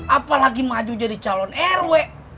apalagi maju jadi calon rw